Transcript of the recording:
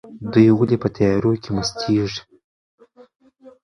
دوی ولې په تیارو کې مستیږي؟